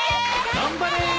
頑張れ！